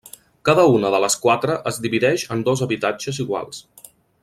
Cada una de les quatre es divideix en dos habitatges iguals.